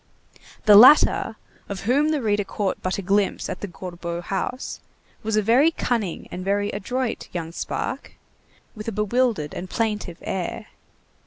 The latter, of whom the reader caught but a glimpse at the Gorbeau house, was a very cunning and very adroit young spark, with a bewildered and plaintive air.